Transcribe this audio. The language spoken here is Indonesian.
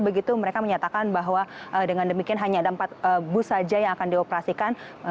begitu mereka menyatakan bahwa dengan demikian hanya ada empat bus saja yang akan dioperasikan